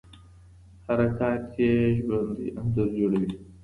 حرکات یې ژوندی انځور جوړوي.